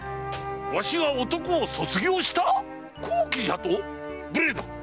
わしが“男”を卒業した⁉「空気」じゃと⁉無礼な！